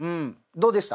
どうでした？